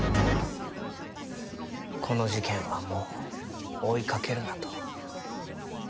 「この事件はもう追いかけるな」と。